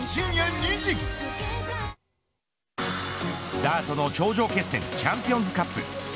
ダートの頂上決戦チャンピオンズカップ。